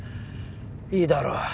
いいだろう？